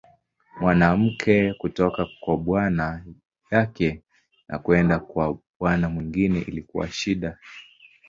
Mwanamke kutoka kwa bwana yake na kwenda kwa bwana mwingine ilikuwa shida.